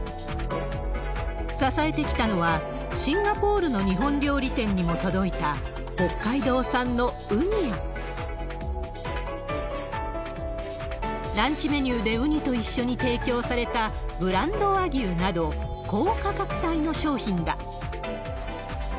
支えてきたのは、シンガポールの日本料理店にも届いた北海道産のウニや、ランチメニューでウニと一緒に提供されたブランド和牛など、高価格帯の商品だ。